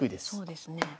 そうですね。